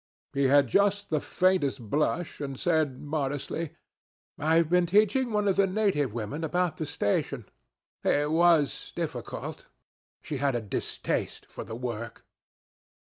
He had just the faintest blush, and said modestly, 'I've been teaching one of the native women about the station. It was difficult. She had a distaste for the work.'